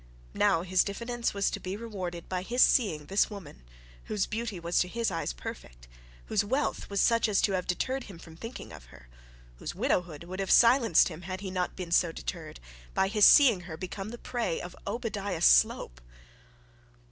Now his diffidence was to be rewarded by his seeing this woman, whose beauty was to his eyes perfect, whose wealth was such as to have deterred him from thinking of her, whose widowhood would have silenced him had he not been so deterred, by his seeing her become the prey of Obadiah Slope!